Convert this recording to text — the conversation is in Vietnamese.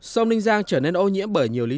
sông ninh giang trở nên ô nhiễm bởi nhiều vụ